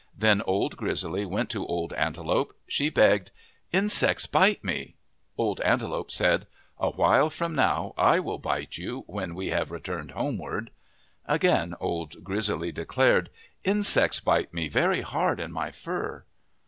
Then Old Grizzly went to Old Antelope. She begged :" Insects bite me." Old Antelope said, " A while from now I will bite you, when we have returned homeward." Again Old Grizzly declared :" Insects bite me very hard in my fur."